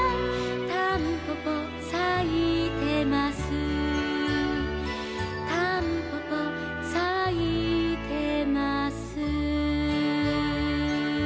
「たんぽぽさいてます」「たんぽぽさいてます」